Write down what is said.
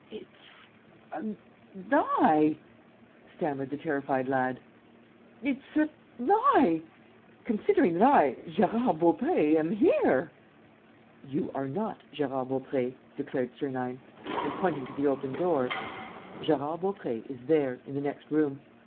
"It's a lie!" stammered the terrified lad. "It's a lie! Considering that I, Gérard Baupré, am here!" "You are not Gérard Baupré," declared Sernine. And, pointing to the open door, "Gérard Baupré is there, in the next room.